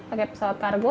pakai pesawat kargo